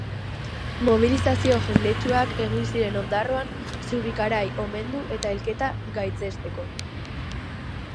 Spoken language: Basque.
Mobilizazio jendetsuak egin ziren Ondarroan Zubikarai omendu eta hilketa gaitzesteko.